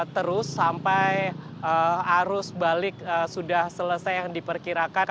terus sampai arus balik sudah selesai yang diperkirakan